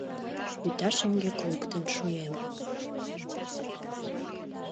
Вӱта шеҥгек луктын шуэм».